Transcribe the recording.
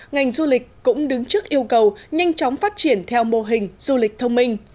ngành du lịch cũng đứng trước yêu cầu nhanh chóng phát triển theo mô hình du lịch thông minh